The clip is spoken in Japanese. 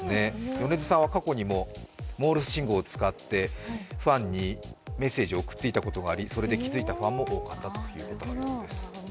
米津さんは過去にもモールス信号を使ってファンにメッセージを送っていたことがあり、それで気づいたファンも多かったということです。